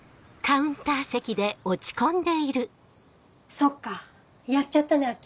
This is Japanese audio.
そっかやっちゃったね亜季。